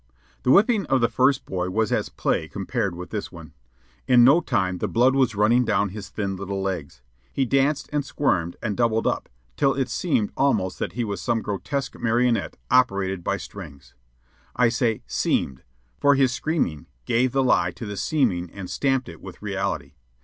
The whipping of the first boy was as play compared with this one. In no time the blood was running down his thin little legs. He danced and squirmed and doubled up till it seemed almost that he was some grotesque marionette operated by strings. I say "seemed," for his screaming gave the lie to the seeming and stamped it with reality.